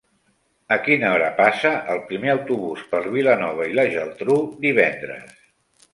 A quina hora passa el primer autobús per Vilanova i la Geltrú divendres?